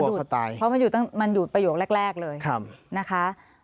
คือจะดูดเพราะมันอยู่ตั้งมันอยู่ประโยคแรกแรกเลยค่ะนะคะ